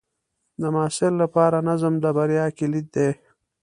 د محصل لپاره نظم د بریا کلید دی.